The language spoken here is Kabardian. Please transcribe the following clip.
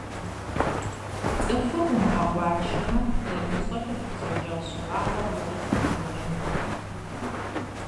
Цӏыхур умыгъэкъуаншэмэ, зэрымыщӀэкӀэ пӀэщӀэкӀа щыуагъэр уэри къыбдагъуэжынкъым.